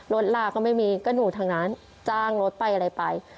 ลาก็ไม่มีก็หนูทางนั้นจ้างรถไปอะไรไป